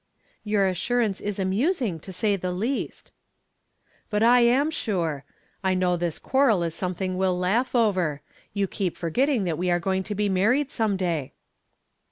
"Your assurance is amusing, to say the least." "But I am sure. I know this quarrel is something we'll laugh over. You keep forgetting that we are going to be married some day."